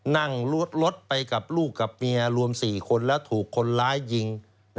นั่งรถไปกับลูกกับเมียรวม๔คนแล้วถูกคนร้ายยิง